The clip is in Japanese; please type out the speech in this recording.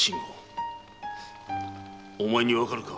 お前にわかるか？